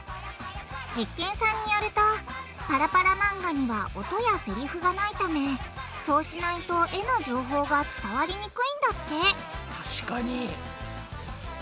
鉄拳さんによるとパラパラ漫画には音やセリフがないためそうしないと絵の情報が伝わりにくいんだって確かに。